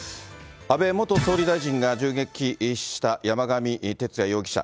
安倍元総理大臣が銃撃した山上徹也容疑者。